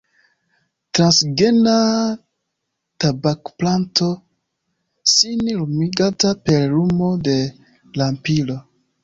Transgena tabakplanto sin lumiganta per lumo de lampiro.